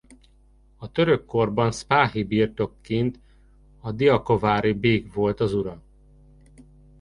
A török korban szpáhi birtokként a diakovári bég volt az ura.